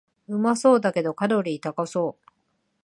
うまそうだけどカロリー高そう